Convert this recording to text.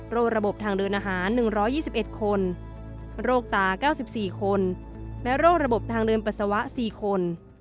ระบบทางเดินอาหาร๑๒๑คนโรคตา๙๔คนและโรคระบบทางเดินปัสสาวะ๔คน